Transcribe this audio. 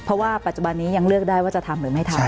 เพราะว่าปัจจุบันนี้ยังเลือกได้ว่าจะทำหรือไม่ทำ